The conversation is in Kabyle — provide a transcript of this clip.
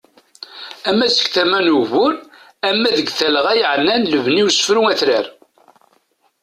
Ama seg tama n ugbur, ama deg talɣa yaɛnan lebni usefru atrar.